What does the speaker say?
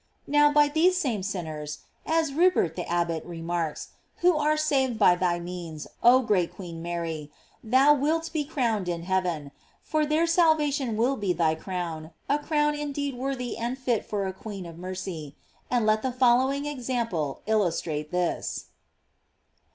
Now, by these same sinners, as Rupert, the abbot, remarks, who are saved by thy means, oh great Queen Mary, thou wilt be crowned in. heaven; for their salvation will be thy crown, a crown indeed worthy and fit for a queen of mercy ;f and let the following example illustrate this.